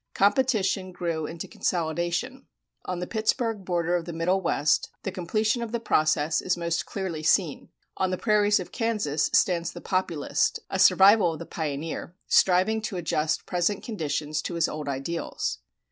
Competition grew into consolidation. On the Pittsburgh border of the Middle West the completion of the process is most clearly seen. On the prairies of Kansas stands the Populist, a survival of the pioneer, striving to adjust present conditions to his old ideals.